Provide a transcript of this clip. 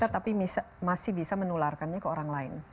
tapi masih bisa menularkannya ke orang lain